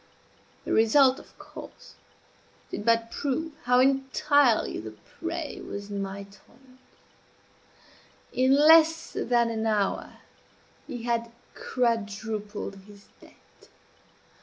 The result, of course, did but prove how entirely the prey was in my toils; in less than an hour he had quadrupled his debt.